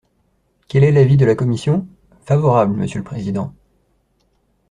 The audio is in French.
Quel est l’avis de la commission ? Favorable, monsieur le président.